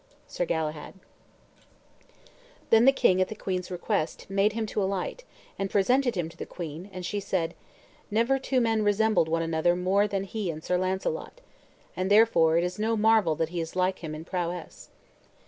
'" Sir Galahad Then the king, at the queen's request, made him to alight, and presented him to the queen; and she said, "Never two men resembled one another more than he and Sir Launcelot, and therefore it is no marvel that he is like him in prowess."